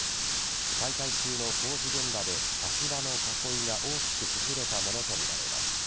解体中の工事現場で足場の囲いが大きく崩れたものとみられます。